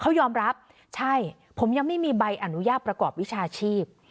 เขายอมรับใช่ผมยังไม่มีใบอนุญาตประกอบวิชาชีพ